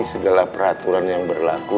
segala peraturan yang berlaku